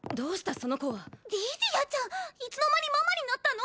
その子はリディアちゃんいつの間にママになったの？